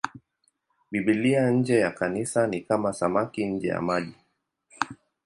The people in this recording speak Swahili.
Biblia nje ya Kanisa ni kama samaki nje ya maji.